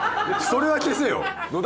それは消せよ。